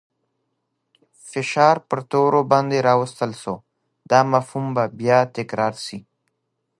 فشار پر تورو باندې راوستل سو. دا مفهوم به بیا تکرار سي.